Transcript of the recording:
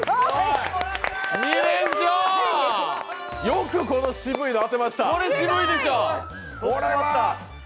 よくこの渋いの当てました。